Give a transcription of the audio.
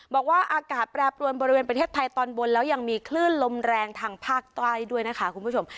บอกว่าอากาศแปรปรวนบริเวณประเทศไทยตอนบนแล้วยังมีคลื่นลมแรงทางภาคใต้ด้วยนะคะคุณผู้ชม